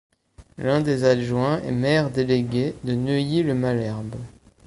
L'un des adjoints est maire délégué de Neuilly-le-Malherbe.